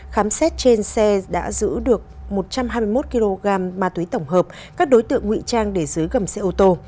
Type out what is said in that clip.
khám xét trên xe đã giữ được một trăm hai mươi một kg ma túy tổng hợp các đối tượng ngụy trang để dưới gầm xe ô tô